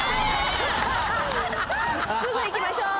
すぐ行きましょう！